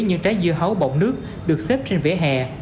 những trái dưa hấu bọng nước được xếp trên vỉa hè